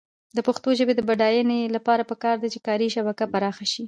د پښتو ژبې د بډاینې لپاره پکار ده چې کاري شبکه پراخه شي.